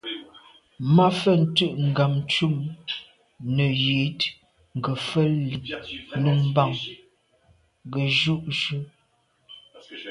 Mafentu nkâgtʉ̌n nə̀ ywǐd ngə̀fə̂l ì nù mbàŋ gə̀ jʉ́ jú.